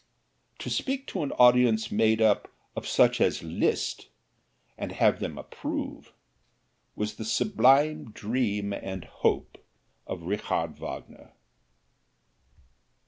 To speak to an audience made up of such as Liszt, and have them approve, was the sublime dream and hope of Richard Wagner.